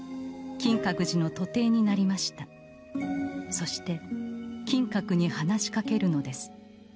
そして金閣に話しかけるのです